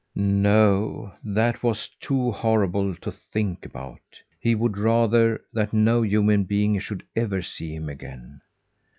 No, that was too horrible to think about. He would rather that no human being should ever see him again.